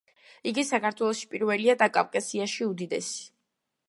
იგი საქართველოში პირველია და კავკასიაში უდიდესი.